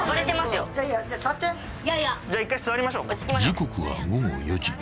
［時刻は午後４時］